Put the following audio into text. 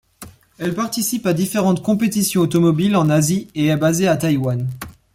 Elle participe à différentes compétitions automobiles en Asie et est basée Taiwan.